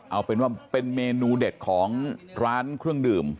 เอาเป็นว่าเป็นเมนูเด็ดของร้านเครื่องดื่ม